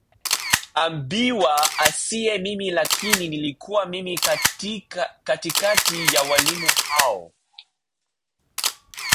ambiwa asiye mimi lakini nilikuwa mimi katikati ya walimu hao